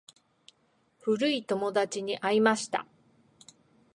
古い友達に会いました。